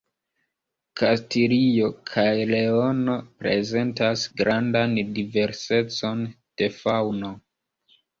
Kastilio kaj Leono prezentas grandan diversecon de faŭno.